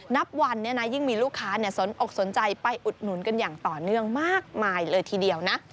นับวันนี้นะยิ่งมีลูกค้าสนอกสนใจไปอุดหนุนกันอย่างต่อเนื่องมากมายเลยทีเดียวนะ